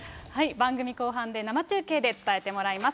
番組後半で生中継で伝えてもらいます。